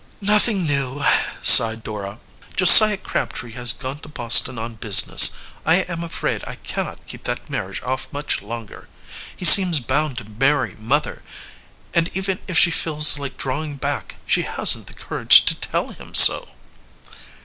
"Nothing new," sighed Dora. "Josiah Crabtree has gone to Boston on business. I am afraid I cannot keep that marriage off much longer. He seems bound to marry mother, and even if she feels like drawing back she hasn't the courage to tell him so."